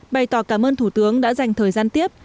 bày tỏ cảm ơn thủ tướng đã dành thời gian tiếp